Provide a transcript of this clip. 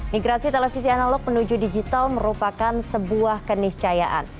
migrasi televisi analog menuju digital merupakan sebuah keniscayaan